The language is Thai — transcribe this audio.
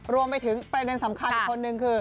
รวมไปถึงแปลหนึ่งสำคัญอีกคนนึงคือ